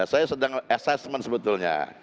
saya sedang assessment sebetulnya